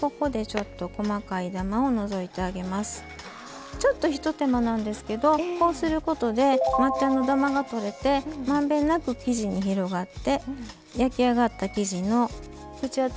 ちょっとひと手間なんですけどこうすることで抹茶のダマがとれてまんべんなく生地に広がって焼き上がった生地の口当たりもよくなります。